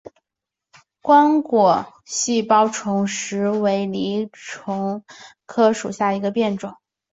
光果细苞虫实为藜科虫实属下的一个变种。